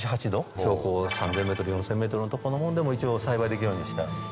標高３０００ｍ４０００ｍのとこのものでも一応栽培できるようにしてあるんですね。